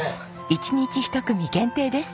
１日１組限定です。